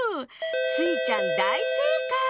スイちゃんだいせいかい！